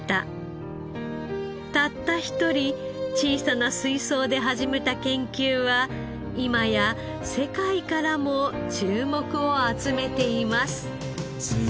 たった一人小さな水槽で始めた研究は今や世界からも注目を集めています。